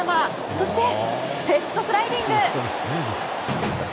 そして、ヘッドスライディング！